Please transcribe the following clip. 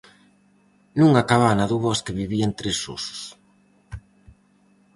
Nunha cabana do bosque vivían tres osos.